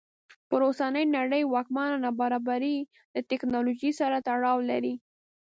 پر اوسنۍ نړۍ واکمنه نابرابري له ټکنالوژۍ سره تړاو لري.